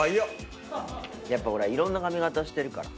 やっぱいろんな髪形してるから。